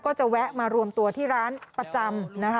ก็จะแวะมารวมตัวที่ร้านประจำนะคะ